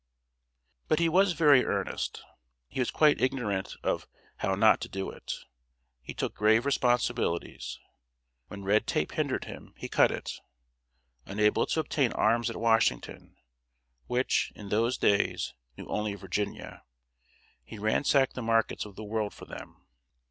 ] But he was very earnest. He was quite ignorant of How Not to Do it. He took grave responsibilities. When red tape hampered him, he cut it. Unable to obtain arms at Washington which, in those days, knew only Virginia he ransacked the markets of the world for them.